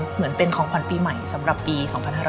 เหมือนเป็นของขวัญปีใหม่สำหรับปี๒๕๕๙